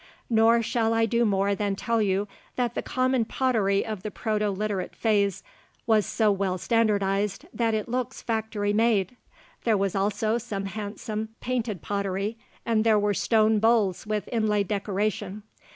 Nor shall I do more than tell you that the common pottery of the Proto Literate phase was so well standardized that it looks factory made. There was also some handsome painted pottery, and there were stone bowls with inlaid decoration.